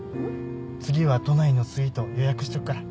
次は都内のスイート予約しとくから。